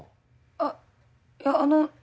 あっいやあの。